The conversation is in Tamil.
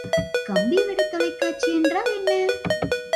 கம்பிவடத் தொலைக்காட்சி என்றால் என்ன?